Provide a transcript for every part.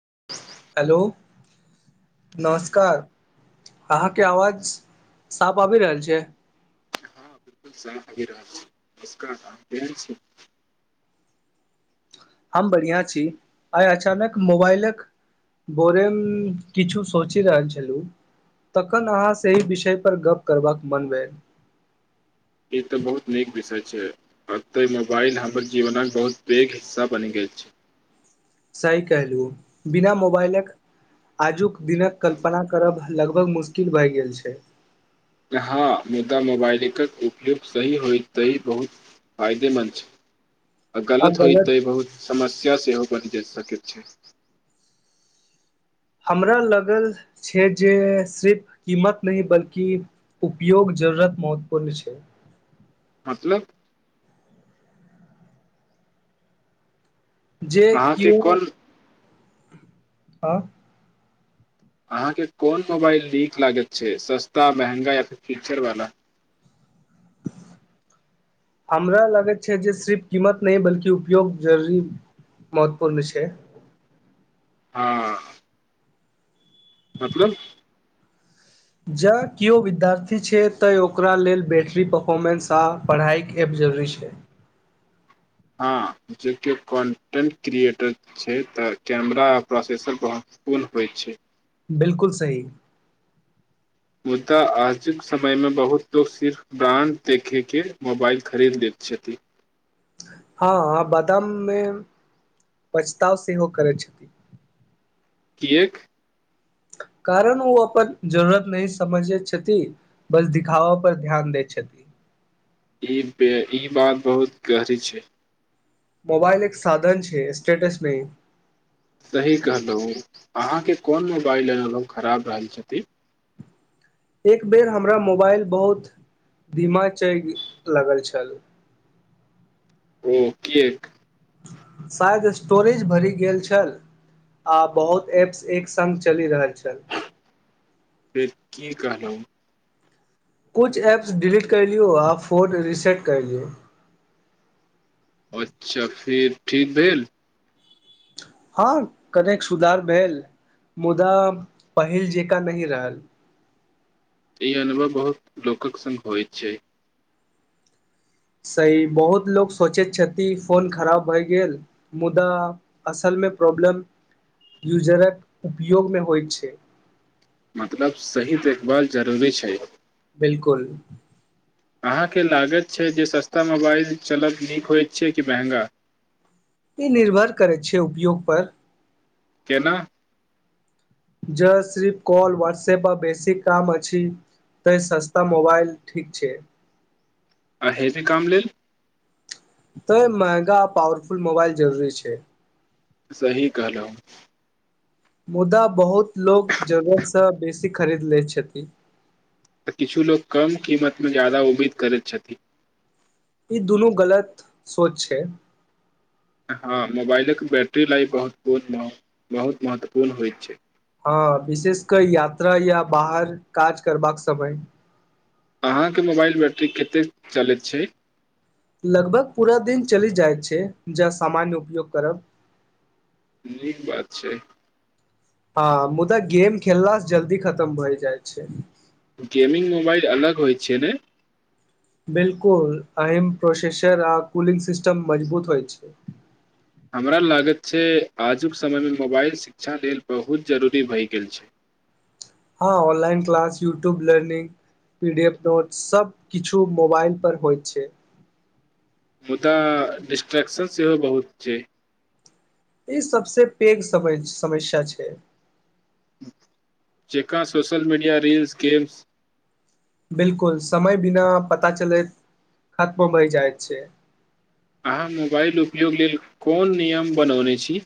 [inaudible] हलो hello नमस्कार अहाँके आवाज साफ आबि रहल छै हँ बकुल साफ अभ रहल नमस्कार के हम बढ़िआँ छी आइ अचानक मोबाइलक बोरेमे किछु सोचि रहल छलहुँ तखन अहाँ से विषय परर गप करबाक मन भेल ई तऽ बहुत नीक विषय छै एतऽ मोबाइल हमर जीवनक बहुत पैघ हिस्सा बनि गेल छै सही कहलहुँ बिना मोबाइलक आजुक दिनक कल्पना करब लगभग मुश्किल भए गेल छै हँ मुदा मोबाइलक उपयोग सही होय तही बहुत फायदेमन्द छै आ गलत होइ तऽ बहुत समस्या से हो ब जा सक छै हमरा लगल छै जे सिर्फ कीमत नहि बल्कि उपयोग जरूरत महत्वपूर्ण छै मतलब जे अहाँके किओ कोन आँ अहाँके कोन मोबाइल नीक लागैत छै सस्ता महँगा या फीचरवला हमरा लागैत छै जे सिर्फ कीमत नहि बल्कि उपयोग जरूरी महत्वपूर्ण छै हँ अथबन [inaudible] जँ केओ विद्यार्थी छै तऽँ ओकरा लेल बैटरी परफॉर्मेंस आ पढ़ाइक ऐप जरूरी छै हँ जे किओ कन्टेन्ट क्रिएटर छै तऽ कैमरा आ प्रोसेसर बहुत फुल होइत छै बिलकुल सही मुदा आजुक समयमे बहुत लोक सिर्फ ब्रान्ड देखयके मोबाइल खरीद लैत छथि हँ बादाममे पछताव सेहो करैत छथिन केक कारण ओ अपन जरूरत नहि समझै छथि बस दिखावा पर ध्यान दैत छथि ई ई बात बहुत गहरी छै मोबाइल एक साधन छै स्टेटस नहि सही कहलहुँ अहाँके कोन मोबाइल लेने रहहु खराब रहल छथिन एक बेर हमरा मोबाइल बहुत धीमा चलि लागल छल ओ की एक शायद स्टोरेज भरि गेल छल आ बहुत एप्स एक संग चलि रहल छल फिर की कहलऊ कुछ ऐप्स डिलीट कर लियौ आ फोन रिसेट कर लियौ अच्छा फिर ठीक भेल हँ कनेक सुधार भेल मुदा पहिल जेका नही रहल ई अनुभव बहुत लोकक संग होइत छै सही बहुत लोक सोचैत छथि फोन खराब भए गेल मुदा असलमे प्रॉब्लम यूजरक उपयोगमे होइत छै मतलब सही देखभाल जरूरी छै बिल्कुल अहाँके लागत छै जे सस्ता मोबाइल चलब नीक होइत छै कि महँगा ई निर्भर करै छै उपयोगपर केना ज सिर्फ कॉल व्हॉट्सऐप पर बेसिक काम अछि त सस्ता मोबाइल ठीक छै आ हेभी काम लेल त महंगा पावरफुल मोबाइल जरूरी छैय। सही कहलऊ ह मुदा बहुत लोक जरुरत सॅंं बेसी खरीद लै छथि। किछु लोक कम कीमतमे ज्यादा उम्मीद करैत छथि। ई दुनू गलत सोच छैय। हँ मोबाइलक बैटरी लाइफ बहुत ब बहुत महत्वपूर्ण होइत छैय। हँ विशेष क यात्रा या बाहर काज करबाक समय अहाँके मोबाइल बैटरी कतेक चलैत छैय। लगभग पूरा दिन चलि जाइ छैय ज सामान्य उपयोग करब नीक बात छैय हँ मुदा गेम खेलला जल्दी खतम होइ जाइ छैय गेमिंग मोबाइल अलग होइ छैय ने बिल्कुल अहिम प्रोसेसर आ कूलिंग सिस्टम मजबूत होइत छैय हमरा लागत छैय आजुक समयमे मोबाइल शिक्षा लेल बहुत जरूरी भए गेल छैय हँ online class YouTube learning P D F note सभ किछु मोबाइल पर होइत छैय मुदा डिस्ट्रेक्शन सेहो बहुत छैय सबस पैघ समस्या छैय जेका सोशल मीडिया रील्स गेम्स बिलकुल समय बिना पता चलैत खत्म होहि जाइत छैय। अहाँ मोबाइल उपयोग लेल कोन नियम बनौने छी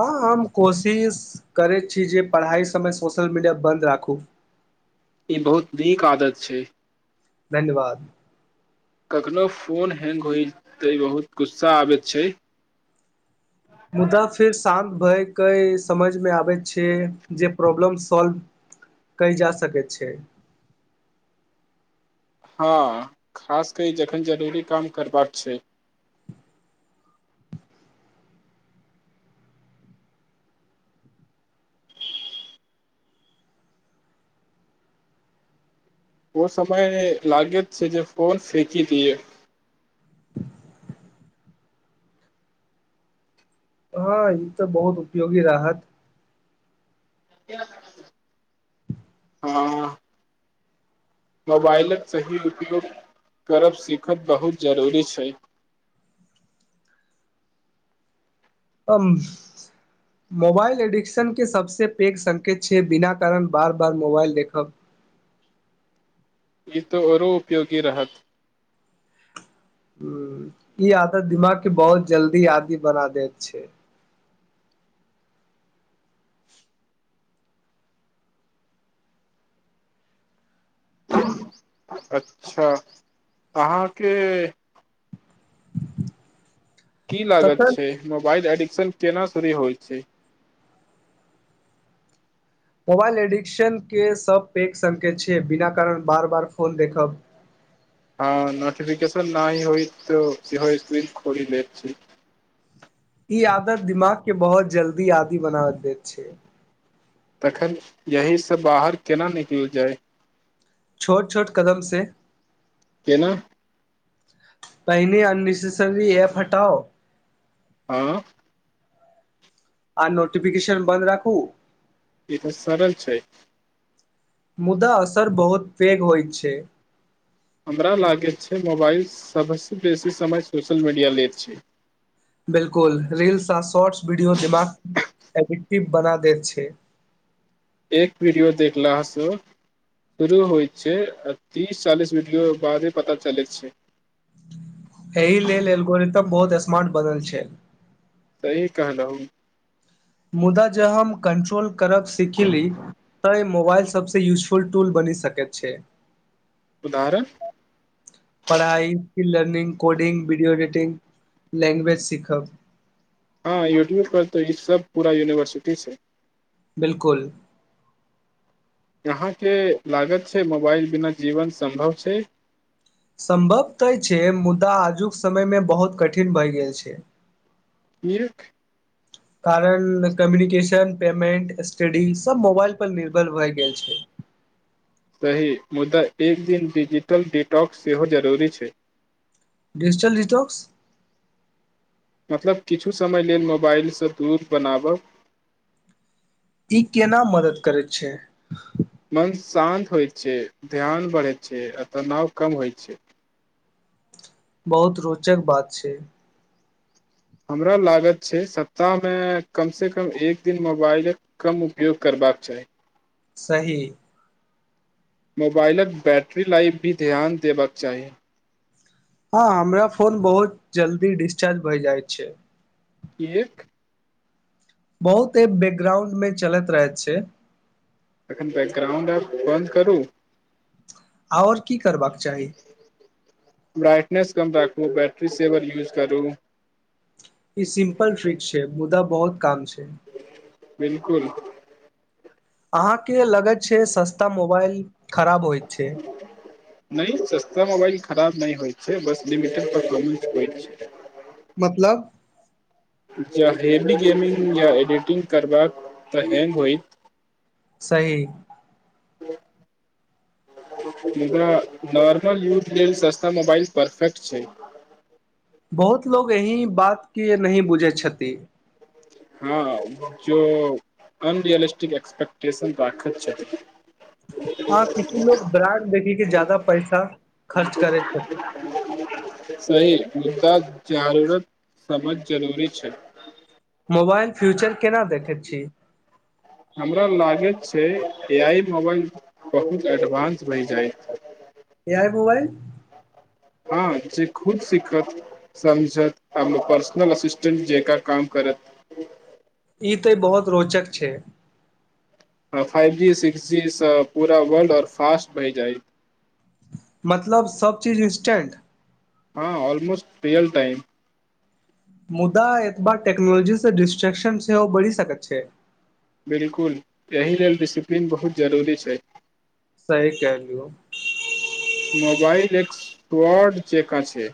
हँ हम कोशिश करै छी जे पढ़ाइ समय सोशल मीडिया बन्द राखू। ई बहुत नीक आदत छैय धन्यवाद कखनो फोन हैंग होय ते बहुत गुस्सा आबैत छैय मुदा फेर शांत भय क समझमे आबै छैय जे प्रॉब्लम सॉल्व कै ल जा सकैत छै हँ खास की जखन जरूरी काम करबाक छैय ओ समय लागे छैय जे फोन फेक दीयै हँ ई तऽ बहुत उपयोगी रहत हँ मोबाइलक सही उपयोग करब सीखब बहुत जरूरी छैय मोबाइल एडिक्शन के सबस पैघ संकेत छैय बिना कारण बार बार मोबाइल देखब ई तो आओरो उपयोगी रहत ह ई आदत दिमाग के बहुत जल्दी आदी बना दैत छैय अच्छा अहाँके की लागत तखन छैय मोबाल एड केना शुरू होइ छैय मोबाइल एडिक्शनके सभ पैघ संकेत छैय बिना कारण बार बार फोन देखब हँ नोटफिकेशन नहि होइत सहक खोली लैतछी ई आदत दिमाग के बहुत जल्दी आदी बना दैत छैय तखन यहीसँ बाहर केना निकल जाय छोट छोट कदमसँ केना पहिने अननेसेसरी एप हटाओ आँ आ नोटिफिकेशन बन्द राखू ई तऽ सरल छैय मुदा असर बहुत पैघ होइत छैय हमरा लागैत छैय मोबाइल सभसँ बेसी समय सोशल मीडिया लैत छैय। बिल्कुल रील्स आ शॉर्ट्स वीडियो दिमागके एडिक्टिव बना दैत छै एक वीडियो देखलासँ शुरू होइत छै आ तीस चालीस वीडियो बारे पता चलैत छै एहि लेल एलगोरितम बहुत स्मार्ट बनल छै सही कहना ह मुदा जे हम कंट्रोल करब सीखी तऽ मोबाइल सबसँ यूजफुल टूल बनि सकैत छै उदाहरण पढ़ाइ स्किल लर्निंग कोडिंग विडियो एडेटि लैंग्वेज सीखब हँ यू टी पर त ई सब पूरा यूनिवर्सिटी छै बिलकुल यहाँके लागत छै मोबाइल बिना जीवन सम्भव छै सम्भव तऽ छै मुद्दा आजुक समयमे बहुत कठिन भए गेल छै कियेक कारण कम्युनिकेशन पेमेंट स्टडी सब मोबाईल पर निर्भर भए गेल छै सही मुदा एक दिन डिजिटल डिटॉकस सेहो जरूरी छै डजिटल डिटॉक्स मतलब किछु समय लेल मोबाइलसँ दूर बनाब ई केना मदद करैत छै मन शान्त होइत छै ध्यान बढ़ैत छै आ तनाव कम होइत छै बहुत रोचक बात छै हमरा लागत छै सप्ताहमे कमसँ कम एक दिन मोबाइलक कम उपयोग करबाक चाही सही मोबाइलक बैटरी लाइफ भी ध्यान देबाक चाही हँ हमरा फोन बहुत जल्दी डिस्चार्ज भै जाइत छै कियेक बहुत एहि बैकग्राउंडमे चलैत रहैत छै तखन बैकग्राउंड आर बन्द करू और की करबाक चाही रखू बैटरी सेवर यूज करू ई सिम्पल ट्रिक छै मुदा बहुत काम छै बिलकुल अहाँके के लगत छै सस्ता मोबाइल खराब होइत छै नहि सस्ता मोबाइल खराब नहि होइ छै बस लिमिटेड परफॉर्मेन्स होइ छै मतलब ज हेबी गेमिङंग या एडिटिंग करबाक तऽ हैंग होइत सही मुदा नॉर्मल यूज लेल सस्ता मोबाइल परफेक्ट छै बहुत लोग यही बात के नही बुझै छथिन हँ ज अनरियलिस्टिक ए्सपे्टेशन राखैत छैथ हँ किछु लोग ब्रान्ड देखि के ज्यादा पैसा खर्च करै छथि तऽ जरूरत समझ जरूरी छै मोबाईल फ्यूचर केना देखैत छी हमरो लागैत छै ए आइ मोबाइल बहुत एडवांस भए जाएत ए आइ मोबाइल हँ जे खुद सीखत समझत आ अपन पर्सनल असिस्टेंट जेकाँ काम करत ई तऽ बहुत रोचक छै तऽ फाइवजी सिक्सजी सँ पूरा वर्ल्ड आओर फास्ट भए जाएत। मतलब सभचीज इंस्टेंट। हँ ऑलमोस्ट रियल टाइम। मुदा एतबा टेक्नोलॉजीसँ डिस्ट्रेक्शन सेहो बढ़ि सकैत छै बिलकुल एहि लेल डिसिप्लीन बहुत जरूरी छै सही कहलू मोबाइल एक फ्राड जकाँ छै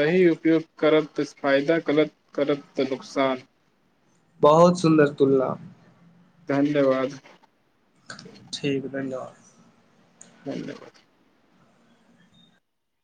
सही उपयोग करब तऽ फायदा गलत करब तऽ नुकसान बहुत सुन्दर तुलना धन्यवाद ठीक धन्यवाद धन्यवाद